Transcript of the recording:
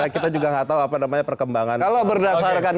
apakah itu juga atau apa namanya perkembangan